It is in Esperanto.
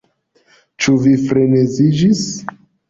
Ĉu vi freneziĝis?